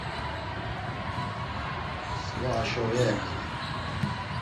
Msǩva haşo ve yaǩali…